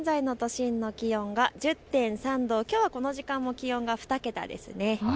６時半現在の都心の気温が１０．３度、きょうはこの時間も気温が２桁ですね。